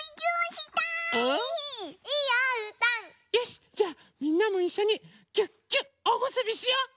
よしじゃあみんなもいっしょにぎゅっぎゅっおむすびしよう！